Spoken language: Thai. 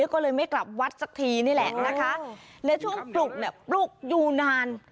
ก็เลยไม่กลับวัดสักทีนี่แหละนะคะและช่วงปลุกเนี่ยปลุกอยู่นาน